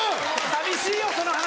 寂しいよその話！